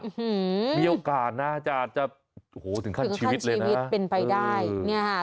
อือหือมีโอกาสนะจะอาจจะโอ้โหถึงขั้นชีวิตเลยนะถึงขั้นชีวิตเป็นไปได้เนี่ยค่ะ